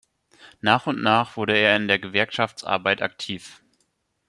Nach und nach wurde er in der Gewerkschaftsarbeit aktiv.